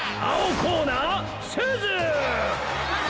コーナーすず！わ！